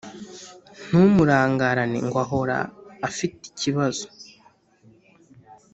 Ntumurangarane ngo ahora afite ikibazo